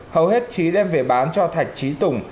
hầu hết trí đem về bán cho thạch trí tùng